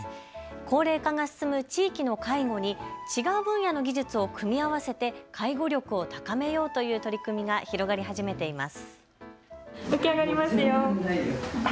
高齢化が進む地域の介護に違う分野の技術を組み合わせて介護力を高めようという取り組みが広がり始めています。